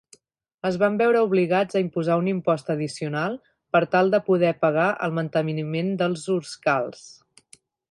Es van veure obligats a imposar un impost addicional per tal de poder pagar el manteniment dels huscarls